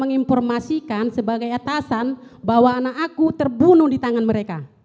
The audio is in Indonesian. menginformasikan sebagai atasan bahwa anak aku terbunuh di tangan mereka